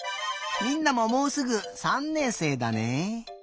みんなももうすぐ３年生だね。